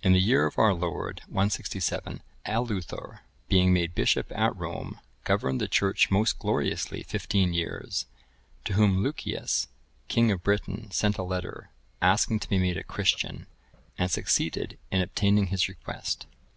[I, 3.] In the year of our Lord 167, Eleuther, being made bishop at Rome, governed the Church most gloriously fifteen years.(1032) To whom Lucius, king of Britain, sent a letter, asking to be made a Christian, and succeeded in obtaining his request.